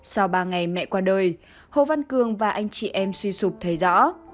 sau ba ngày mẹ qua đời hồ văn cường và anh chị em suy sụp thấy rõ